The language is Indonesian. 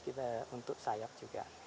kita untuk sayap juga